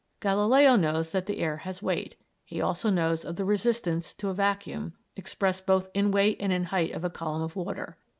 Galileo knows that the air has weight; he also knows of the "resistance to a vacuum," expressed both in weight and in the height of a column of water.